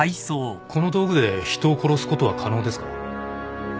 この道具で人を殺すことは可能ですか？